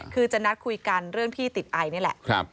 คือจะนัดคุยกันเรื่องที่ติดไอนี่แหละ